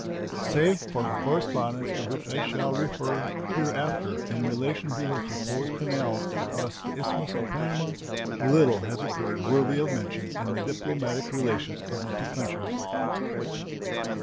Save for the correspondence to which I shall refer hereafter in relation to the proposed canal across the Isthmus of Panama, little has occurred worthy of mention in the diplomatic relations of the two countries.